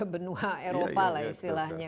benua eropa lah istilahnya